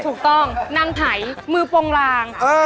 ถูกต้องนางไหยมือปงราง